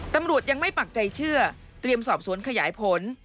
ตำรวจยังไม่ปักใจเชื่อเตรียมสอบสวนขยายผล